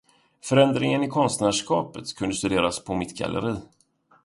Förändringen i konstnärskapet kunde studeras på mitt galleri.